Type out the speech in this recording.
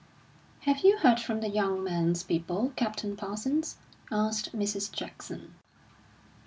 "Have you heard from the young man's people, Captain Parsons?" asked Mrs. Jackson.